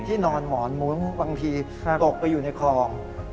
นอนหมอนมุ้งบางทีตกไปอยู่ในคลอง